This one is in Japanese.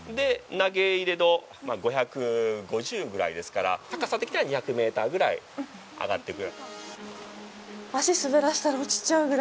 投入堂、５５０ぐらいですから高さ的には２００メーターぐらい上がっていくような。